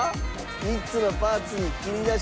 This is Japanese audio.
３つのパーツに切り出しております。